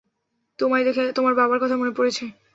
তোমায় দেখে তোমার বাবার কথা মনে পড়ছে।